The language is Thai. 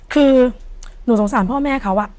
คือหนูสงสารพ่อแม่เขา